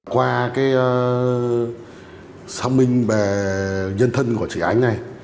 qua xác minh về nhân thân của chị ánh này